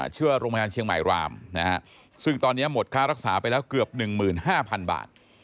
ชื่อว่าโรงพยาบาลเชียงใหม่รามนะฮะซึ่งตอนนี้หมดค่ารักษาไปแล้วเกือบ๑๕๐๐๐บาท